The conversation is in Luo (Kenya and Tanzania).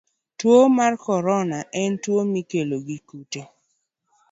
Tuo mar korona en tuwo mikelo gi kute.